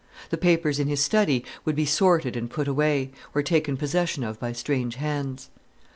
The papers in his study would be sorted and put away, or taken possession of by strange hands.